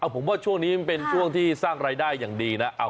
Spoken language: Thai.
ผมว่าช่วงนี้มันเป็นช่วงที่สร้างรายได้อย่างดีนะ